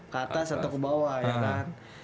ke atas atau ke bawah ya kan